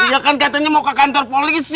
ya kan katanya mau ke kantor polisi